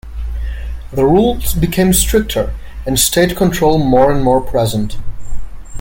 The rules became stricter and State control more and more present.